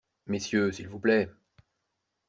Messieurs, s'il vous plaît!